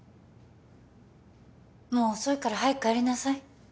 もう遅いから早く帰りなさい